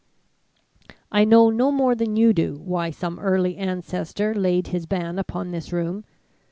"I know no more than you do why some early ancestor laid his ban upon this room.